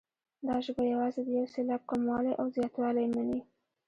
دا ژبه یوازې د یو سېلاب کموالی او زیاتوالی مني.